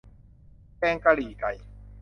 แกงกะหรี่ไก่